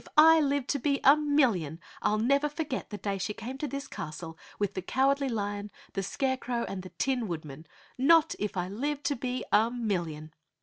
"If I live to be a million, I'll never forget the day she came to this castle with the Cowardly Lion, the Scarecrow and the Tin Woodman. Not if I live to be a million!